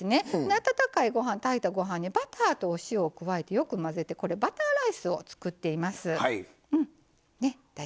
温かい炊いたご飯にバターとお塩、加えてよく混ぜてバターライス作ってます。